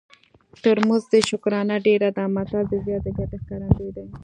تر مزد یې شکرانه ډېره ده متل د زیاتې ګټې ښکارندوی دی